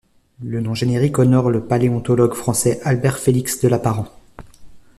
Le nom générique honore le paléontologue français Albert-Félix de Lapparent.